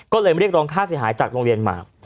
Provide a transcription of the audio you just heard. ก็เลยเรียกร้องค่าเสียหายจากโรงเรียนมา